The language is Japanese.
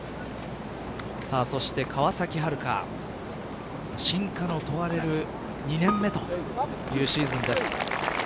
そして川崎春花進化の問われる２年目というシーズンです。